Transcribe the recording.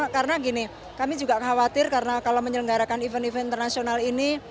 karena gini kami juga khawatir karena kalau menyelenggarakan event event internasional ini